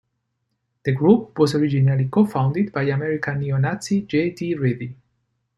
The group was originally co-founded by American neo-Nazi, J. T. Ready.